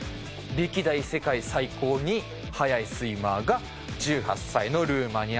歴代世界最高に速いスイマーが１８歳のルーマニアの男の子。